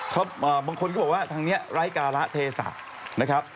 บางคนก็บอกว่าทางนี้ไร้การะเทศะนะครับ